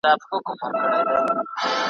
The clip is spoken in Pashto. هېري څرنگه د میني ورځی شپې سي `